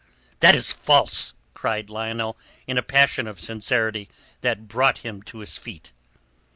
"That is false!" cried Lionel in a passion of sincerity that brought him to his feet.